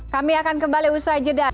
kami akan kembali usai jeda